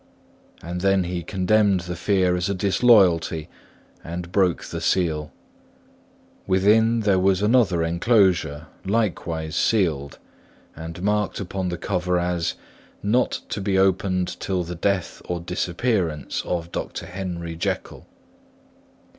And then he condemned the fear as a disloyalty, and broke the seal. Within there was another enclosure, likewise sealed, and marked upon the cover as "not to be opened till the death or disappearance of Dr. Henry Jekyll."